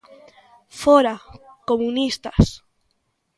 Fóra, comunistas!